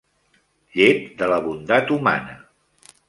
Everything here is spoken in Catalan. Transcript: Llet de la bondat humana